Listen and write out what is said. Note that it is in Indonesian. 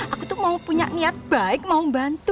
aku tuh mau punya niat baik mau membantu